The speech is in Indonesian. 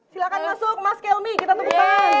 silakan masuk mas kelmi kita temukan